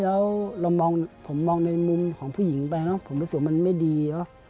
แล้วผมมองในมุมของผู้หญิงไปผมรู้สึกว่ามันไม่ดี